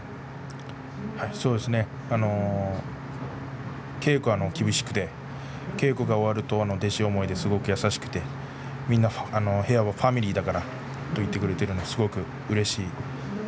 そうですね稽古は厳しくて稽古が終わると弟子思いですごく優しくて部屋はファミリーだからと言ってくれています。